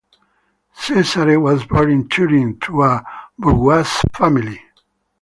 Cesare was born in Turin to a bourgeouis family.